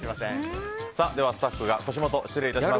スタッフが腰元失礼いたします。